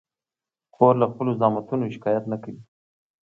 خور له خپلو زحمتونو شکایت نه کوي.